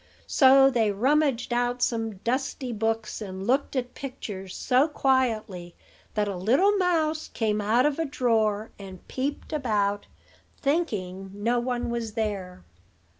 So they rummaged out some dusty books, and looked at pictures so quietly that a little mouse came out of a drawer and peeped about, thinking no one was there.